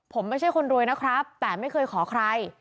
ผมไม่ใช่คนรวยนะครับแต่ไม่เคยขอใคร